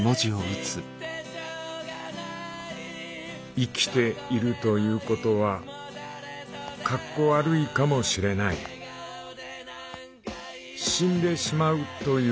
「生きているということはカッコ悪いかもしれない死んでしまうという